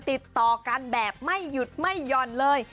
ติดต่อกันแบบไม่หยุดไม่หย่อนเลย